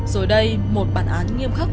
rồi đây một bản án nghiêm khắc